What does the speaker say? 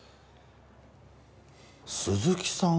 鈴木さん